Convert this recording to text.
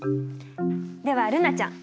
では瑠菜ちゃん。